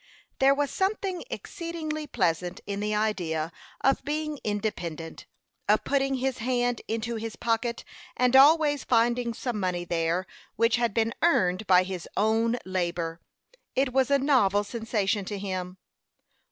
There was something exceedingly pleasant in the idea of being independent; of putting his hand into his pocket and always finding some money there which had been earned by his own labor. It was a novel sensation to him.